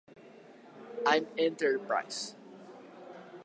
I'm Enterprise